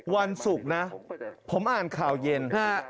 วันศุกร์นะผมอ่านข่าวเย็น